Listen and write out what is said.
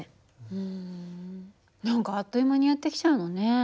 うん何かあっという間にやって来ちゃうのね。